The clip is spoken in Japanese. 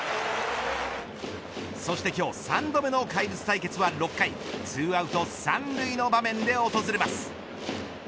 そして今日３度目の怪物対決は６回２アウト３塁の場面で訪れます。